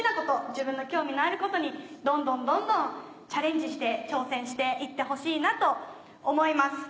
自分の興味のあることにどんどんどんどんチャレンジして挑戦していってほしいなと思います。